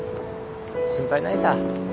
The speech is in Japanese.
心配ないさ。